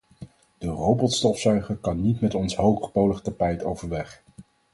De robotstofzuiger kan niet met ons hoogpolig tapijt overweg.